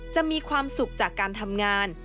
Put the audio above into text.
จะมีความสุขจากการทำงาน